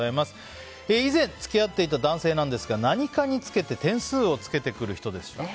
以前、付き合っていた男性なんですが何かにつけて点数をつけてくる人でした。